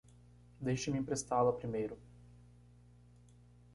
Deixe-me emprestá-la primeiro.